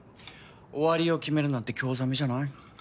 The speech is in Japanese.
終わりを決めるなんて興ざめじゃない？